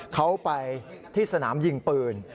เขาไปที่สนามยิงปืน